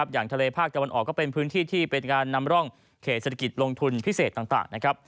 อย่างทะเลภาคตะวันออกก็เป็นพื้นที่ที่เป็นการนำร่องเขตเศรษฐกิจลงทุนพิเศษต่างนะครับ